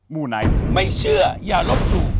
มูไนท์ไม่เชื่ออย่าลบหลู่